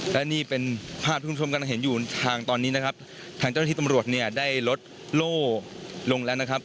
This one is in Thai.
และนี่เป็นภาพที่คุณผู้ชมกำลังเห็นอยู่ทางตอนนี้นะครับทางเจ้าหน้าที่ตำรวจเนี่ยได้ลดโล่ลงแล้วนะครับ